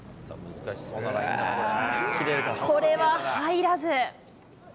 これは入らず。